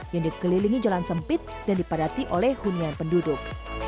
yang dikelilingi jalan sempit dan dipadati oleh hunian penduduk